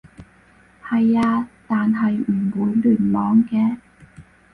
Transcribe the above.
係啊，但係唔會聯網嘅